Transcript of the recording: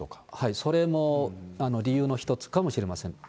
それも理由の一つかもしれません。